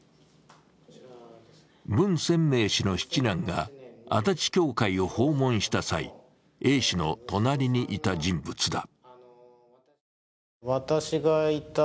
文鮮明氏の七男が足立教会を訪問した際、Ａ氏の隣にいた人物だ。